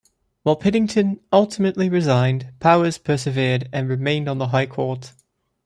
While Piddington ultimately resigned, Powers persevered, and remained on the High Court.